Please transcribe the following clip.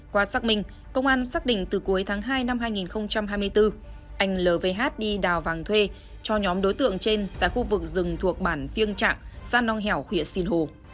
qua xác minh công an xác định từ cuối tháng hai năm hai nghìn hai mươi bốn anh lvh đi đào vàng thuê cho nhóm đối tượng trên tại khu vực rừng thuộc bản phiêng trạng xã nong hẻo huyện sinh hồ